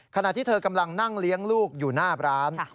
ขณะที่เธอกำลังนั่งเลี้ยงลูกอยู่หน้าร้าน